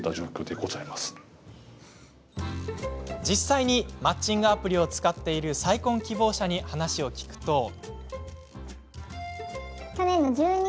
実際にマッチングアプリを使っている再婚希望者に話を聞くと。